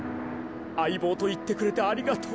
あいぼうといってくれてありがとう。